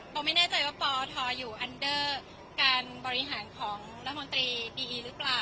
ไม่แน่ใจว่าปทอยู่อันเดอร์การบริหารของรัฐมนตรีดีอีหรือเปล่า